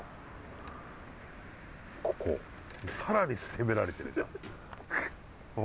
ここさらに攻められてるじゃん。